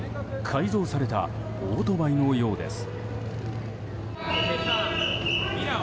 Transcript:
改造されたオートバイのようです。